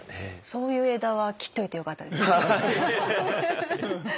そういう枝は切っといてよかったですね。